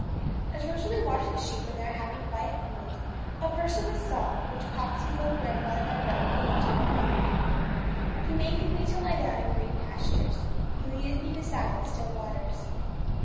As Rosalie watched the sheep in their happy, quiet field, a verse of the psalm which Popsey's old grandfather had read came into her mind 'He maketh me to lie down in green pastures; He leadeth me beside the still waters.'